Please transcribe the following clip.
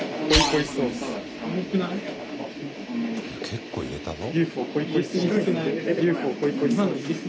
結構入れたぞ。